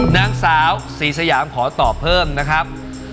นางสาวศรีสยามขอตอบเพิ่มนะครับ